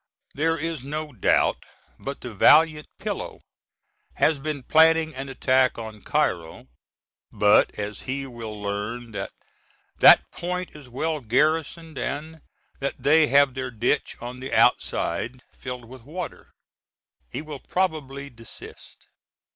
There is no doubt but the valiant Pillow has been planning an attack on Cairo; but as he will learn that that point is well garrisoned and that they have their ditch on the outside, filled with water, he will probably desist.